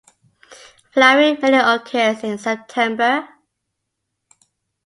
Flowering mainly occurs in September.